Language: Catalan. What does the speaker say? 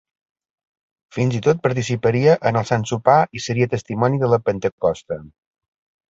Fins i tot participaria en el Sant Sopar i seria testimoni de la Pentecosta.